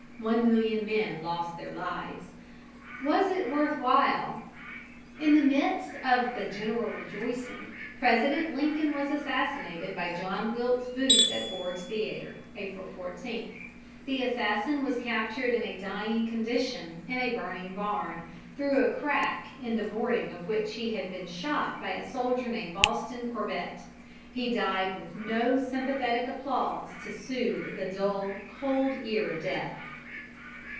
One million men lost their lives. Was it worth while? In the midst of the general rejoicing, President Lincoln was assassinated by John Wilkes Booth at Ford's Theatre, April 14. The assassin was captured in a dying condition in a burning barn, through a crack in the boarding of which he had been shot by a soldier named Boston Corbett. He died with no sympathetic applause to soothe the dull, cold ear of death.